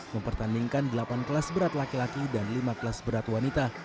mempertandingkan delapan kelas berat laki laki dan lima kelas berat wanita